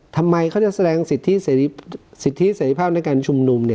ทำไมเขาจะแสดงสิทธิเศรษภาพในการชุมนุม